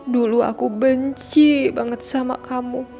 dulu aku benci banget sama kamu